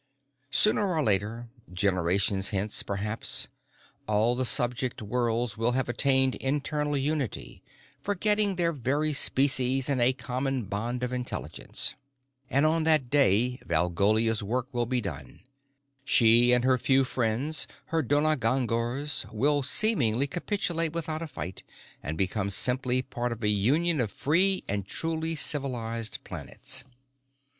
Sooner or later, generations hence, perhaps, all the subject worlds will have attained internal unity, forgetting their very species in a common bond of intelligence. And on that day Valgolia's work will be done. She and her few friends, her donagangors, will seemingly capitulate without a fight and become simply part of a union of free and truly civilized planets.